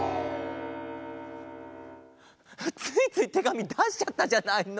ついついてがみだしちゃったじゃないの。